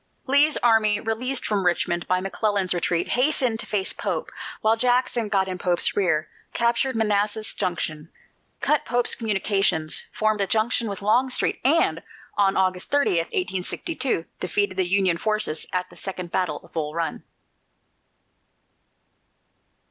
Lee's army, released from Richmond by McClellan's retreat, hastened to face Pope, while Jackson got in Pope's rear, captured Manassas Junction, cut Pope's communications, formed a junction with Longstreet, and on August 30, 1862, defeated the Union forces at the second battle of Bull Run.